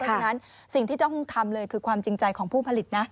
ฉะนั้นสิ่งที่ต้องทำเลยคือความจริงใจของผู้ผลิตนะ